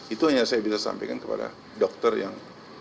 itu hanya saya bisa sampaikan kepada dokter yang